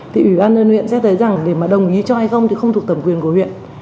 thì ủy ban nhân huyện sẽ thấy rằng để mà đồng ý cho hay không thì không thuộc thẩm quyền của huyện